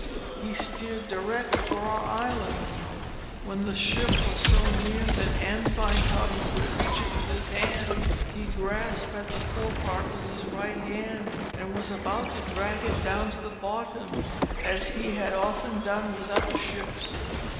He steered direct for our island. When the ship was so near that Andfind thought he could reach it with his hands, he grasped at the forepart with his right hand, and was about to drag it down to the bottom, as he had often done with other ships.